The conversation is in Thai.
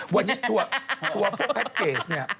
วันนี้ทัวร์ทัวร์พวกแพ็ดเกจเนี่ย